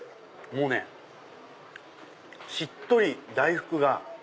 もうねしっとり大福が。